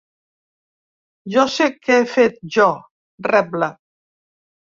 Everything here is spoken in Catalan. Jo sé què he fet jo, rebla.